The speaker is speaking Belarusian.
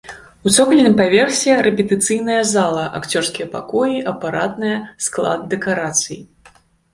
У цокальным паверсе рэпетыцыйная зала, акцёрскія пакоі, апаратная, склад дэкарацый.